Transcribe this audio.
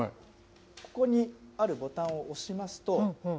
ここにあるボタンを押しますと。